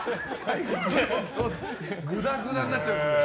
ぐだぐだになっちゃいます。